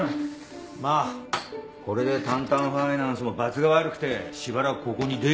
まあこれでタンタンファイナンスもばつが悪くてしばらくここに出入りできないよ。